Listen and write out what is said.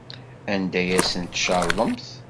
Anda ay asen-tcerḍemt?